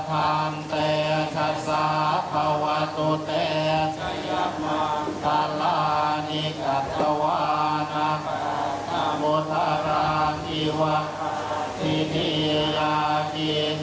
พัฒนาพัฒนาพุทธราชีวะพัฒนาพุทธราชีวะทิเทียกิน